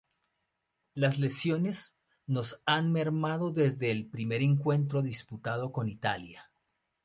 Las lesiones nos han mermado desde el primer encuentro disputado con Italia.